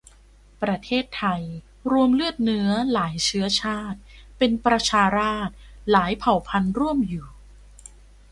ประเทศไทย รวมเลือดเนื้อ หลายเชื้อชาติ เป็นประชาราษฏร์ หลายเผ่าพันธุ์ร่วมอยู่